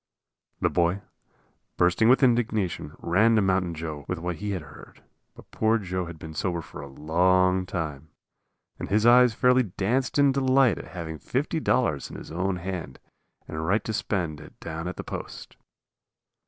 The boy, bursting with indignation, ran to Mountain Joe with what he had heard. But poor Joe had been sober for a long time, and his eyes fairly danced in delight at having $50 in his own hand and right to spend it down at the post.